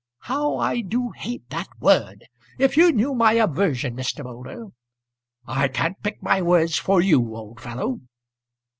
"How I do hate that word. If you knew my aversion, Mr. Moulder " "I can't pick my words for you, old fellow."